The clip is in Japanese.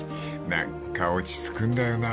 ［何か落ち着くんだよな］